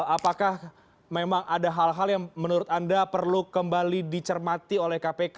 apakah memang ada hal hal yang menurut anda perlu kembali dicermati oleh kpk